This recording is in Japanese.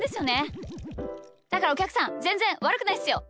だからおきゃくさんぜんぜんわるくないっすよ！